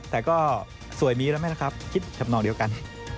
แต่ก็สวยมีแล้วไหมล่ะครับคิดทำนองเดียวกัน